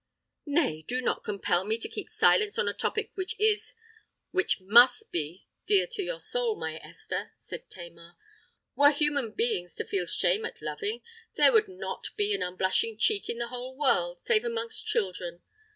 "Nay—do not compel me to keep silence on a topic which is—which must be dear to your soul, my Esther," said Tamar. "Were human beings to feel shame at loving, there would not be an unblushing cheek in the whole world, save amongst children.